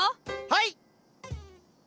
はい！